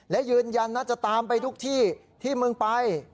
และยืนยันนะจะตามไปทุกที่ที่มึงไป